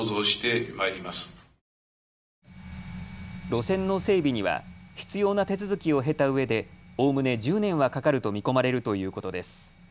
路線の整備には必要な手続きを経たうえでおおむね１０年はかかると見込まれるということです。